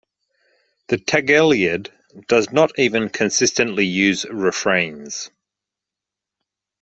The tagelied does not even consistently use refrains.